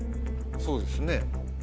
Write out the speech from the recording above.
そうですね。